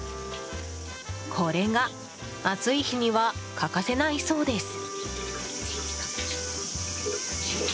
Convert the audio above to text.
これが暑い日には欠かせないそうです。